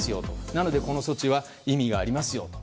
なのでこの措置は意味がありますよと。